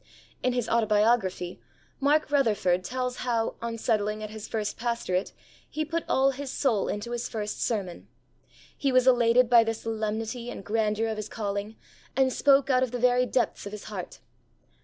In his Autobiography, Mark Rutherford tells how, on settling at his first pastorate, he put all his soul into his first sermon. He was elated by the solemnity and grandeur of his calling, and spoke out of the very depths of his heart.